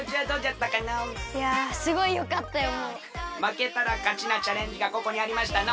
まけたらかちなチャレンジがここにありましたの。